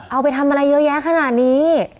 เอาไปทำอะไรเยอะแยะขนาดนี้